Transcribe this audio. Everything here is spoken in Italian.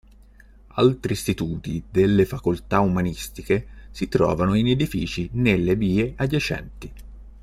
Altri istituti delle facoltà umanistiche si trovano in edifici nelle vie adiacenti.